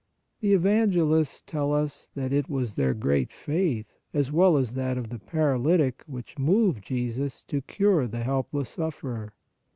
The evangelists tell us that it was their great faith as well as that of the paralytic which moved Jesus to cure the helpless sufferer.